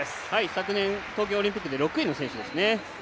昨年、東京オリンピック６位の選手ですね。